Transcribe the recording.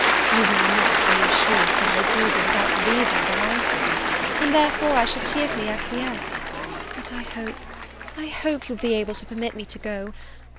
You will not, I am sure, send a refusal without reasons unanswerable, and therefore I shall cheerfully acquiesce. Yet I hope I hope you will be able to permit me to go!